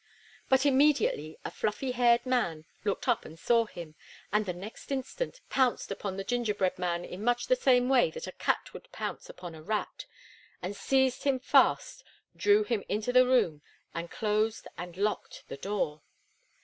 But immediately a fluffy haired man looked up and saw him, and the next instant pounced upon the gingerbread man in much the same way that a cat would pounce upon a rat, and seized him fast, drew him into the room, and closed and locked the door.